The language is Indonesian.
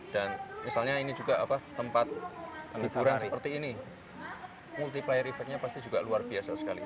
dan misalnya ini juga tempat liburan seperti ini multiplier effect nya pasti juga luar biasa sekali